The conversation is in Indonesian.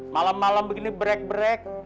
malem malem begini break break